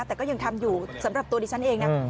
แต่ก็ยังทำอยู่สำหรับตัวดิฉันเองนะ